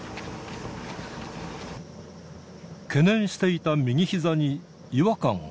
懸念していた右ひざに、違和感が。